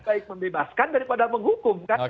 baik membebaskan daripada menghukum kan